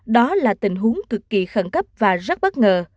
đó là tình huống cực kỳ khẩn cấp và rất bất ngờ